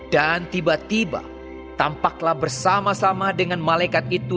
dan tiba tiba tampaklah bersama sama dengan malaikat itu